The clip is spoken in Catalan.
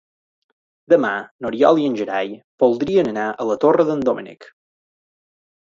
Demà n'Oriol i en Gerai voldrien anar a la Torre d'en Doménec.